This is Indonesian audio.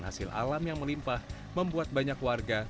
hasil alam yang melimpah membuat banyak warga